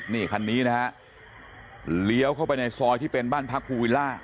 นี่คันนี้นะฮะเลี้ยวเข้าไปในซอยที่เป็นบ้านพักภูวิลล่า